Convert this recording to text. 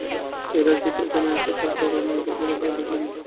এরা যে এখনো এখানে আছে তার কারণ, এদের ফেলে দেওয়ারও দরকার নেই।